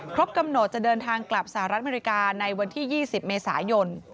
กำหนดจะเดินทางกลับสหรัฐอเมริกาในวันที่๒๐เมษายน